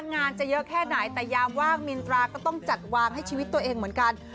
งานจะเยอะแค่ไหนแต่ยามว่างมินตราก็ต้องจัดวางให้ชีวิตตัวเองเหมือนกัน